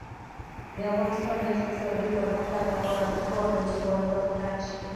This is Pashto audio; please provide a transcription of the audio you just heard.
د افغانستان د اقتصادي پرمختګ لپاره پکار ده چې واردات کم شي.